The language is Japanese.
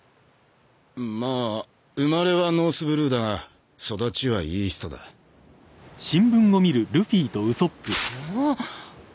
んまぁ生まれはノースブルーだが育ちはイーストだおおっなんだ